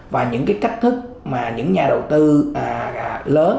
và những cái cách thức mà những nhà đầu tư lớn